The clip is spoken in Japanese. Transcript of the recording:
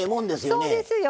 そうですよ。